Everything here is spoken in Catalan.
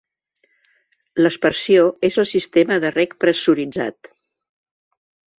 L'aspersió és el sistema de reg pressuritzat.